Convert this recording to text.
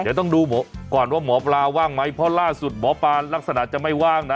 เดี๋ยวต้องดูก่อนว่าหมอปลาว่างไหมเพราะล่าสุดหมอปลาลักษณะจะไม่ว่างนะ